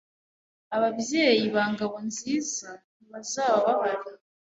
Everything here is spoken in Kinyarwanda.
Ababyeyi ba Ngabonziza ntibazaba bahari.